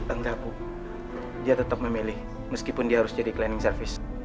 enggak ibu dia tetap memilih meskipun dia harus jadi pembantu pelayanan